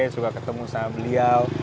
suka ketemu sama beliau